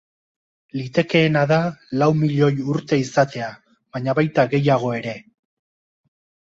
Litekeena da lau milioi urte izatea baina baita gehiago ere.